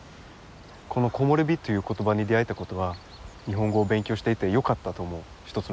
この「木漏れ日」という言葉に出会えたことは日本語を勉強していてよかったと思う一つのことです。